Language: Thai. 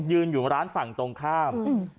ยืนอยู่ร้านฝั่งตรงข้าม